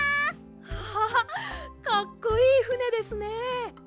アハハかっこいいふねですね。